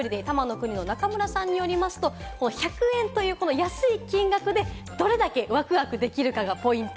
国の中村さんによりますと、１００円という安い金額でどれだけワクワクできるかがポイント。